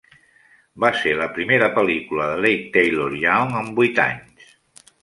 Va ser la primera pel·lícula de Leigh Taylor-Young en vuit anys.